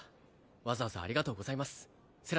わざわざありがとうございますセラ